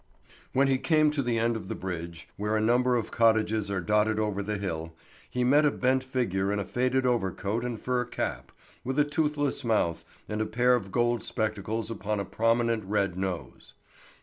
When he came to the end of the bridge, where a number of cottages are dotted over the hill, he met a bent figure in a faded overcoat and fur cap, with a toothless mouth and a pair of gold spectacles upon a prominent red nose.